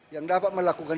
yang dapat melakukan